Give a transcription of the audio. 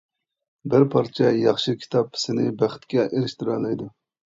بىر پارچە ياخشى كىتاب سېنى بەختكە ئېرىشتۈرەلەيدۇ.